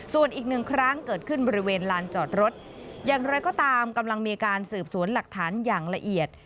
ส่วนอีกหนึ่งครั้งเกิดขึ้นบริเวณลานจอดรถอย่างไรก็ตามกำลังมีการสืบสวนหลักฐานอย่างละเอียด